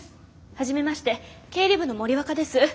はじめまして経理部の森若です。